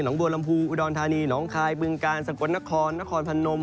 หล่องบวลลำภูกย์อุดวรณฐานีหล่องคายปืงกาลสะกวดนครนครพนม